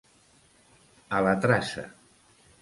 A la traça.